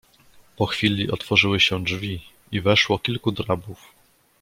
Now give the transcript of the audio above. "Po chwili otworzyły się drzwi i weszło kilku drabów."